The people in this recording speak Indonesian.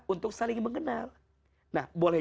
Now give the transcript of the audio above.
untuk saling mengenal nah boleh